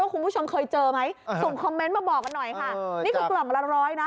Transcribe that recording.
คุณผู้ชมเคยเจอไหมส่งคอมเมนต์มาบอกกันหน่อยค่ะนี่คือกล่องละร้อยนะ